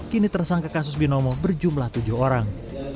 kini tersangka kasus binomo berjumlah tujuh orang